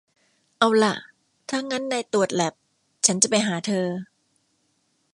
เอาล่ะ ถ้างั้นนายตรวจแลป ฉันจะไปหาเธอ